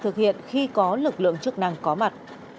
thực hiện khi có lực lượng chức năng có mặt